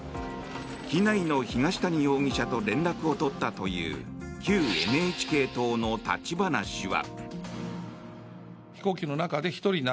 機内の東谷容疑者と連絡を取ったという旧ＮＨＫ党の立花氏は。